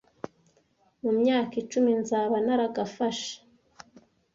Mu myaka icumi nzaba naragafashe